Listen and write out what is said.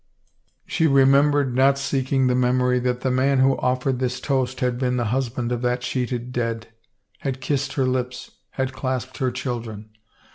She remembered, not seeking the memory, that the man who offered this toast had been the husband of that sheeted dead, had kissed her lips, had clasped her children.